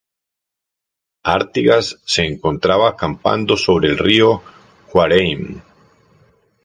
Artigas se encontraba acampando sobre río Cuareim.